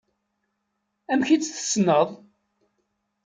Amek i tt-tessneḍ?